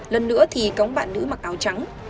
lần nữa thì cống bạn nữ mặc áo trắng